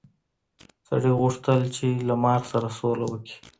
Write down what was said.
سړي غوښتل چې له مار سره سوله وکړي.